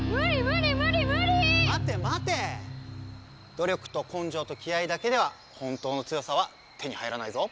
努力とこんじょうと気合いだけでは本当の強さは手に入らないぞ。